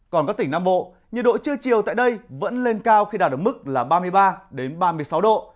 còn các tỉnh nam bộ nhiệt độ trưa chiều tại đây vẫn lên cao khi đạt được mức là ba mươi ba ba mươi sáu độ